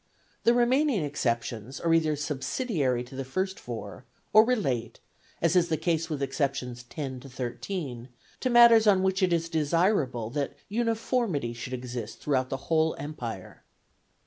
The remaining exceptions are either subsidiary to the first four, or relate, as is the case with exceptions 10 to 13, to matters on which it is desirable that uniformity should exist throughout the whole Empire.